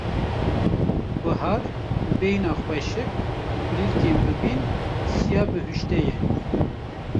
Bihar; bi bêhna xweşik, kulîlkên bibîn, siya bihuştê ye.